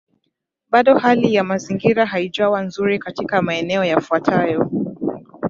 Bado hali ya mazingira haijawa nzuri katika maeneo yafuatayo